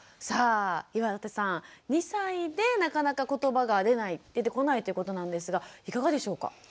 さあ岩立さん２歳でなかなかことばが出てこないということなんですがいかがでしょうか？